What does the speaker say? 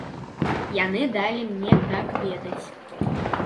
Яны далі мне так ведаць.